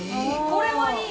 これはいい！